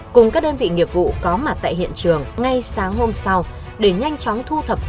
cùng các đơn vị nghiệp vụ có mặt tại hiện trường ngay sáng hôm sau để nhanh chóng thu thập